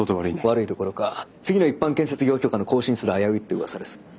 悪いどころか次の一般建設業許可の更新すら危ういっていう噂です。